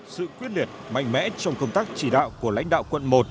sự quyết liệt mạnh mẽ trong công tác chỉ đạo của lãnh đạo quận một